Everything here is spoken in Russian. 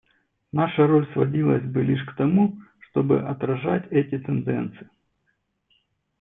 Наша роль сводилась бы лишь к тому, чтобы отражать эти тенденции.